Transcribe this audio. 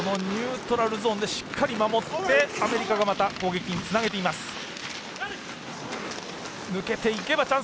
ニュートラルゾーンでしっかり守ってアメリカがまた攻撃につなげています。